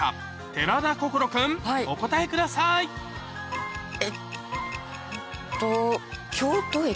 寺田心君お答えくださいえっと。